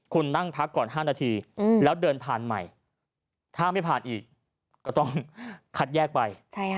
คุณนั่งพักก่อน๕นาทีแล้วเดินผ่านใหม่ถ้าไม่ผ่านอีกก็ต้องคัดแยกไป